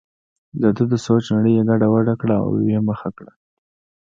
دده د سوچ نړۍ یې ګډه وډه کړه او یې مخه کړه.